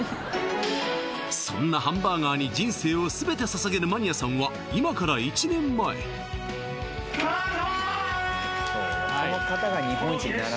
そんなハンバーガーに人生を全て捧げるマニアさんは・スタート！